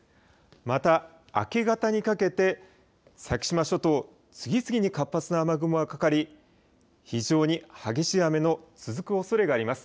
また明け方にかけて先島諸島、次々に活発な雨雲がかかり非常に激しい雨の続くおそれがあります。